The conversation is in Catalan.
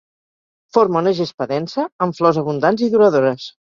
Forma una gespa densa, amb flors abundants i duradores.